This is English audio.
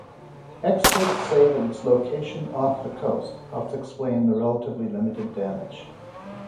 Experts said that its location off the coast helps explain the relatively limited damage.